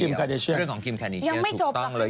คิมคาณิเชียเรื่องของคิมคาณิเชียถูกต้องเลย